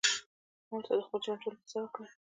ما ورته د خپل ژوند ټوله کيسه وکړه.